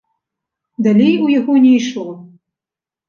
Далей у яго не ішло.